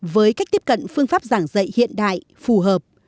với cách tiếp cận phương pháp giảng dạy hiện đại phù hợp